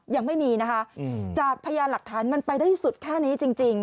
ยังไม่มีนะคะจากพยานหลักฐานมันไปได้สุดแค่นี้จริง